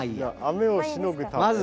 雨をしのぐため？